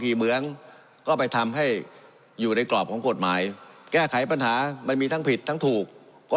เมืองก็ไปทำให้อยู่ในกรอบของกฎหมายแก้ไขปัญหามันมีทั้งผิดทั้งถูกก็